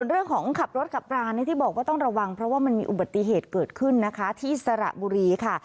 เรื่องของขับรถกับร้านที่บอกว่าต้องระวังเพราะว่ามันมีอุบัติเหตุเกิดขึ้นนะคะที่สระบุรีค่ะ